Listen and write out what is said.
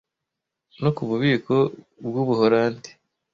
no ku bubiko bw'ubuholandi